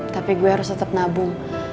tapi gue harus tetap nabung